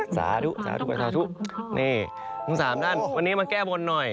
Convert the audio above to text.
สาดุนี่ทุก๓ด้านวันนี้มาแก้วบนหน่อย